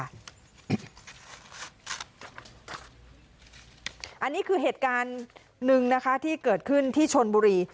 อันนี้คือเหตุการณ์หนึ่งนะคะที่เกิดขึ้นที่ชนบุรี